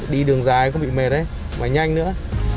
đi đường dài không bị mệt đấy mà nhanh nữa